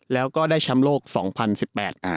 แล้วก็ได้ชำโบปี๒๐๑๘